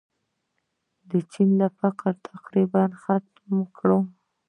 چین فقر تقریباً ختم کړ.